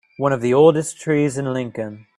One of the oldest trees in Lincoln.